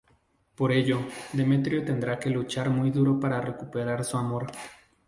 Por ello, Demetrio tendrá que luchar muy duro para recuperar su amor.